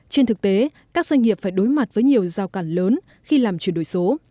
trên thực tế các doanh nghiệp phải đối mặt với nhiều giao cản lớn khi làm chuyển đổi số